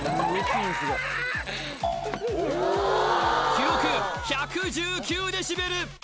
記録１１９デシベル！